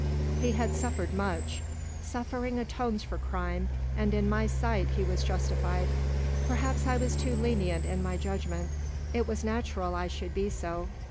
He had suffered much. Suffering atones for crime, and in my sight he was justified. Perhaps I was too lenient in my judgment. It was natural I should be so.